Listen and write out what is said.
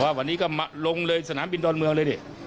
วันนี้ก็มาลงเลยสนามบินดอนเมืองเลยดิ